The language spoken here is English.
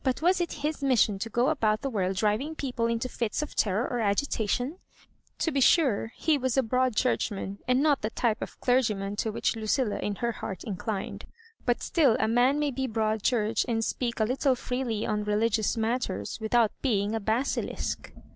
Was it his mission to go about the world driving people into fits of terror or agi tation ? To be sure, he was a Broad Churchman, and not the type of clergyman to which Lucilla in her heart inclined ; but still a man may be Broad Church, and speak a little freely on re ligious matters, without being a basilisk.